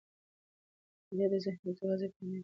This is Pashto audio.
مطالعه د ذهن دروازې پرانیزي.